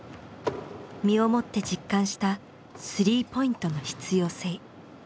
身をもって実感した３ポイントの必要性。